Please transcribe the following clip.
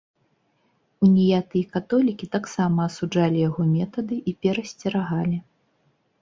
Уніяты і католікі таксама асуджалі яго метады і перасцерагалі.